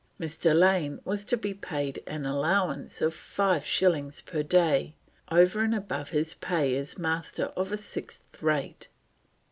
Mr. Lane was to be paid an allowance of five shillings per day over and above his pay as Master of a sixth rate.